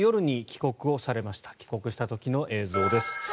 帰国した時の映像です。